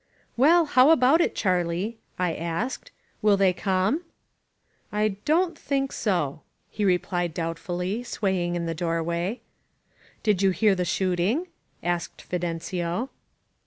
"Well, how about it, Charlie?*' I asked. "Will they come ?" "I don't think so,'' he replied doubtfully, swaying in the doorway. "Did you hear the shooting?" asked Fidencio.